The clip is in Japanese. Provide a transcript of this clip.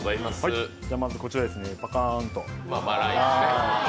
まずこちら、パカーンと。